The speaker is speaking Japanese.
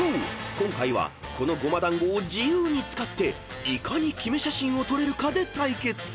今回はこのゴマ団子を自由に使っていかにキメ写真を撮れるかで対決］